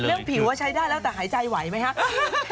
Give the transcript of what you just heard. เรื่องผิวว่าใช้ได้แล้วแต่หายใจไหวไหมคะ